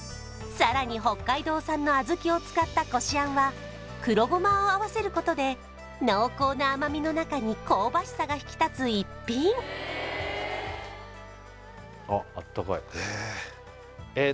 さらに北海道産の小豆を使ったこしあんは黒ゴマを合わせることで濃厚な甘みの中に香ばしさが引き立つ逸品あっあったかいええっ